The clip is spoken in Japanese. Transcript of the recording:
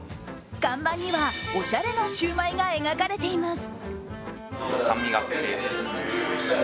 看板には、おしゃれなシュウマイが描かれています。